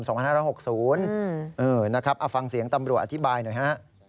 เอาฟังเสียงตำรวจอธิบายหน่อยฮะ